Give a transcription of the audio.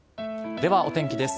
ではお天気です。